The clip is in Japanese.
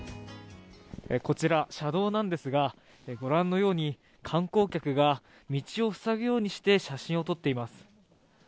こちら、車道なんですが、ご覧のように、観光客が道を塞ぐようにして写真を撮っています。